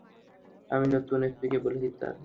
আমি নতুন এসিপিকে বলেছি তোর চাকরির বিষয়ে ব্রিফ করতে।